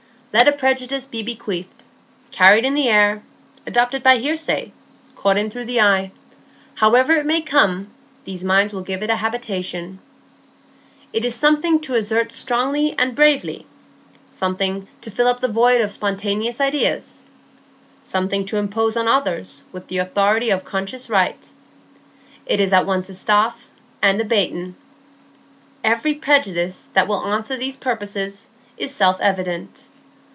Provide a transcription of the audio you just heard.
Let a prejudice be bequeathed, carried in the air, adopted by hearsay, caught in through the eye,—however it may come, these minds will give it a habitation; it is something to assert strongly and bravely, something to fill up the void of spontaneous ideas, something to impose on others with the authority of conscious right; it is at once a staff and a baton. Every prejudice that will answer these purposes is self evident.